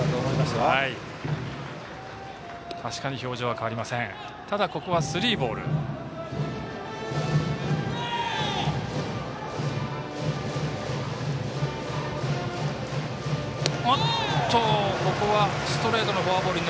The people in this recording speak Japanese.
ただ、ここはスリーボール。